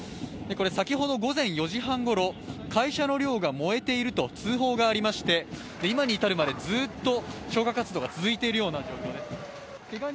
先ほど午前４時半ごろ会社の寮が燃えていると通報がありまして、今に至るまでずっと消火活動が続いているような状況です。